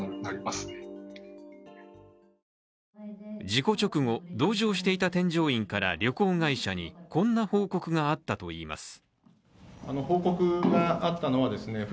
事故直後、同乗していた添乗員から旅行会社にこんな報告があったといいます。